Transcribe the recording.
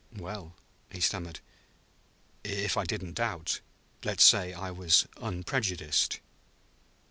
"Well," he stammered, "if I didn't doubt, let's say I was unprejudiced."